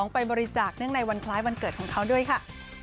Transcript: ไปบริจาคเนื่องในวันคล้ายวันเกิดของเขาด้วยค่ะ